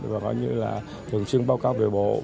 và coi như là thường xuyên báo cáo về bộ